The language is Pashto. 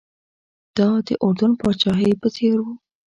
دا د اردن پاچاهۍ په څېر و.